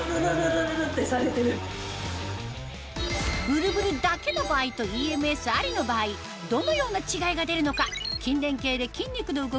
ブルブルだけの場合とＥＭＳありの場合どのような違いが出るのか